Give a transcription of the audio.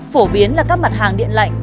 phổ biến là các mặt hàng điện lạnh